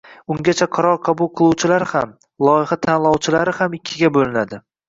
Ungacha qaror qabul qiluvchilar ham, loyiha tanlovchilari ham ikkiga bo'linadi